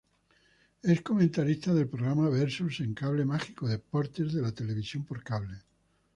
Es comentarista del programa Versus en Cable Mágico Deportes de la televisión por cable.